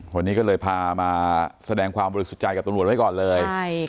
วันนี้ก็เลยพามาแสดงความบริสุทธิ์ใจกับตำรวจไว้ก่อนเลย